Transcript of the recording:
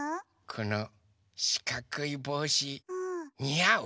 このしかくいぼうしにあう？